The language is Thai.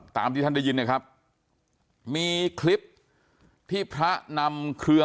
ตามที่ท่านได้ยินนะครับมีคลิปที่พระนำเครือ